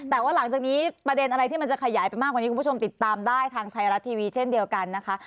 แต่ว่าหลังจากนี้ประเด็นอะไรที่มันจะขยายไปมากกว่านี้คุณผู้ชมติดตามได้ทางไทยรัฐทีวีเช่นเดียวกันนะคะ